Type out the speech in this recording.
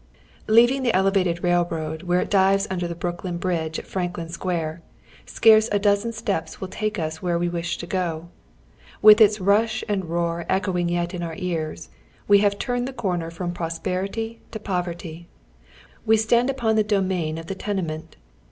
Leaving the Elevated Railroad where it dives under the Brooklyn Bridge at Franklin Sqnare, scarce a dozen steps will take ns where we wish to go. With its rush and oyGoogle THE DOWN TOWN ]JACK ALLEYS, 29 roar eclioing yet in our ears, we have turned the corner from prosperity to poverty. We stand upon tlie domain of the tenement.